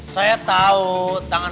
saya tau tangan